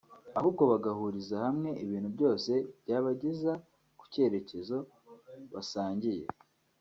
ahubwo bagahuriza hamwe ibintu byose byabageza ku cyerekezo basangiye